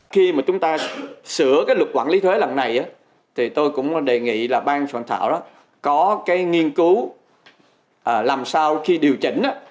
khi mà chúng ta sửa cái luật quản lý thuế lần này thì tôi cũng đề nghị là bang soạn thảo có cái nghiên cứu làm sao khi điều chỉnh